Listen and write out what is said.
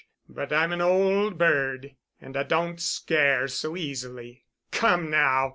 But I'm an old bird, and I don't scare so easily. Come now.